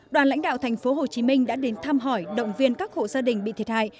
đoàn lãnh đạo tp hcm đã đến thăm hỏi động viên các hộ gia đình bị thiệt hại